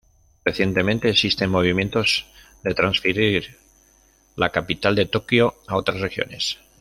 Recientemente, existen movimientos de transferir la capital de Tokio a otras regiones.